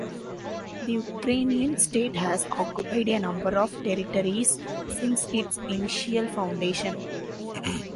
The Ukrainian state has occupied a number of territories since its initial foundation.